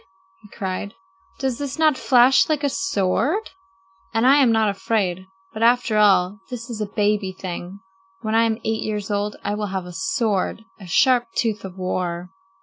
he cried; "does this not flash like a sword? And I am not afraid. But after all, this is a baby thing! When I am eight years old I will have a sword, a sharp tooth of war."